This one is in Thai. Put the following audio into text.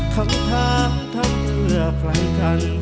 ข้างจากท่ำเรือฝรั่งกัน